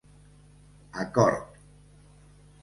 Acord: